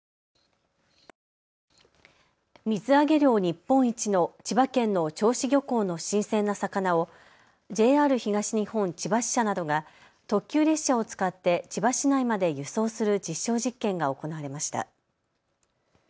水揚げ量日本一の千葉県の銚子漁港の新鮮な魚をＪＲ東日本千葉支社などが特急列車を使って千葉市内まで輸送する実証実験が行われました。